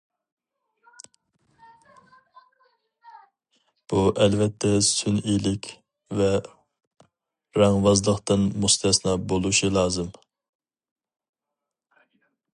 بۇ ئەلۋەتتە سۈنئىيلىك ۋە رەڭۋازلىقتىن مۇستەسنا بولۇشى لازىم.